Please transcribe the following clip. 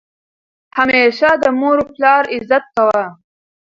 همیشه د مور او پلار عزت کوه!